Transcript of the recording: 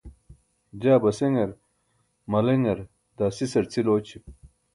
jaa baseṅar, maleṅar, daa sisar cʰil ooćim